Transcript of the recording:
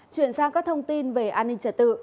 chuyển sang các thông tin về an ninh trật tự